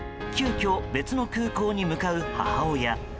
急きょ、別の空港に向かう母親。